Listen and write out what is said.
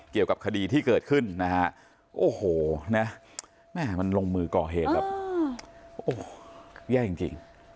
เกี่ยวกับคดีที่เกิดขึ้นนะฮะโอ้โหนะแม่มันลงมือก่อเหตุแบบโอ้โหแย่จริง